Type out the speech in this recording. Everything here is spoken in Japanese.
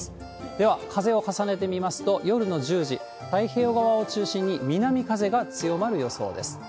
では風を重ねて見ますと、夜の１０時、太平洋側を中心に南風が強まる予想です。